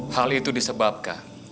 hal itu disebabkan